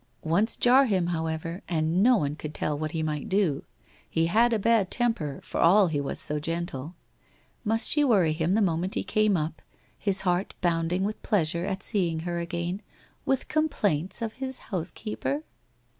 Once jar him however, and no one could tell what he might do. He had a bad temper, for all he was so gentle. Must she worry him the moment he came up, his heart bounding with pleasure at seeing her again, with complaints of his housekeeper?